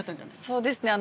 そうですね。